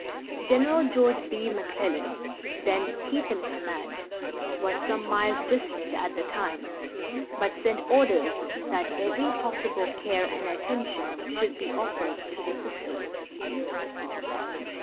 General George B. McClellan, then chief in command, was some miles distant at the time, but sent orders that every possible care and attention should be offered to the Sisters.